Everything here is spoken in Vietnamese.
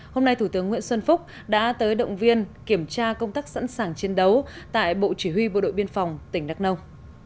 hôm nay thủ tướng nguyễn xuân phúc đã tới động viên kiểm tra công tác sẵn sàng chiến đấu tại bộ chỉ huy bộ đội biên phòng tỉnh đắk nông